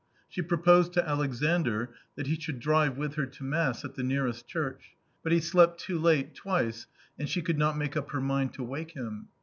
She proposed to Alexandr that he should drive with her to Mass at the nearest church, but he slept too late twice, and she could not make up her mind to wake him.